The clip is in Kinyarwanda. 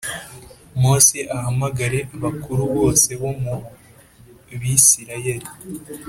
Mose ahamagara abakuru bose bo mu Bisirayeli.